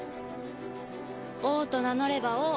王と名乗れば王。